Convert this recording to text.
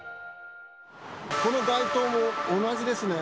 この街灯も同じですね。